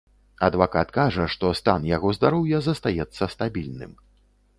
Адвакат кажа, што стан яго здароўя застаецца стабільным.